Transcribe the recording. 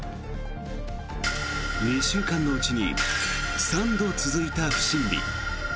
２週間のうちに３度続いた不審火。